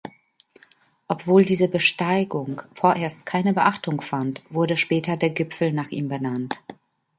Obwohl diese Besteigung vorerst keine Beachtung fand, wurde später der Gipfel nach ihm benannt.